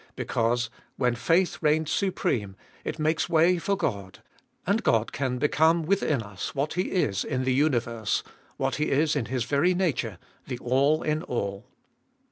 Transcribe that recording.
Because, when faith reigns supreme, it makes way 462 ftbe •fcoliest of 2111 for God, and God can become within us what He is in the universe, what He is in His very nature — the all in all.